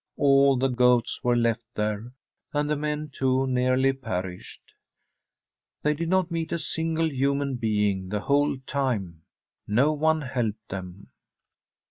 All the goats were left there, and the men too nearly perished. They did not meet a single human being the whole time. No one helped them.